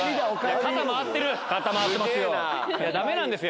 肩回ってますよ。